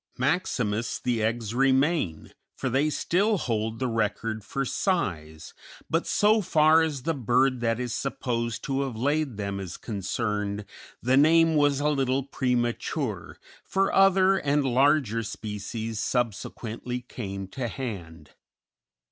Maximus the eggs remain, for they still hold the record for size; but so far as the bird that is supposed to have laid them is concerned, the name was a little premature, for other and larger species subsequently came to hand.